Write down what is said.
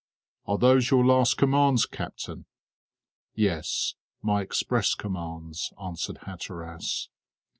"Are those your last commands, captain?" "Yes, my express commands," answered Hatteras.